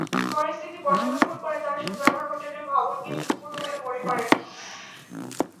পরিস্থিতি পর্যবেক্ষণ করে তাঁরা সুন্দরবন হোটেলের ভবনকে ঝুঁকিপূর্ণ বলে মনে করেন।